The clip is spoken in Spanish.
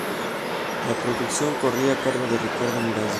La producción corría a cargo de Ricardo Miralles.